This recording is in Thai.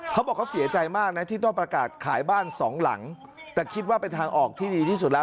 เขาบอกเขาเสียใจมากนะที่ต้องประกาศขายบ้านสองหลังแต่คิดว่าเป็นทางออกที่ดีที่สุดแล้ว